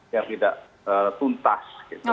yang tidak tuntas